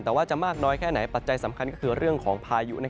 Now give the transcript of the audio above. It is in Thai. แต่ว่าจะมากน้อยแค่ไหนปัจจัยสำคัญก็คือเรื่องของพายุ